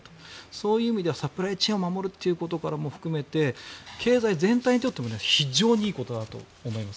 そういう意味ではサプライチェーンを守るということも含めて経済全体にとっても非常にいいことだと思います。